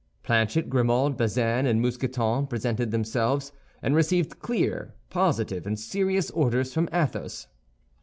Planchet, Grimaud, Bazin, and Mousqueton presented themselves, and received clear, positive, and serious orders from Athos.